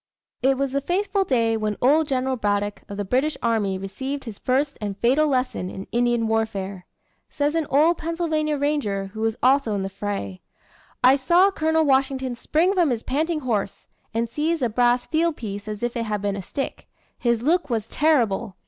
It was the fateful day when old General Braddock of the British army received his first and fatal lesson in Indian warfare. Says an old Pennsylvania ranger who was also in the fray: "I saw Col. Washington spring from his panting horse, and seize a brass field piece as if it had been a stick. His look was terrible.